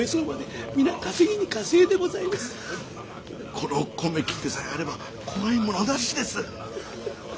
この米切手さえあれば怖いものはなしです。